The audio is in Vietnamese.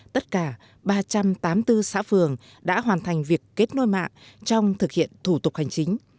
tất cả ba trăm tám mươi bốn xã phường đã hoàn thành việc kết nối mạng trong thực hiện thủ tục hành chính